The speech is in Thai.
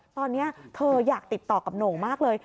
ตอนนี้เธออยากติดต่อกับโหน่งมากเลย